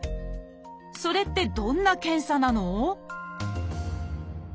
それってどんな検査なの？